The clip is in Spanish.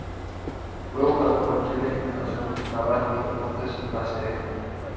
Luego pasó por Chile en los clubes Naval y Deportes La Serena.